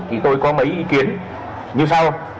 thì tôi có mấy ý kiến như sau